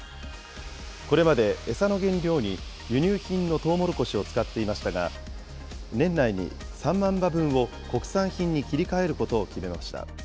これまで餌の原料に輸入品のとうもろこしを使っていましたが、年内に３万羽分を国産品に切り替えることを決めました。